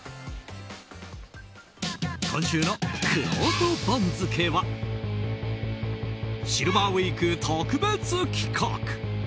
今週のくろうと番付はシルバーウィーク特別企画！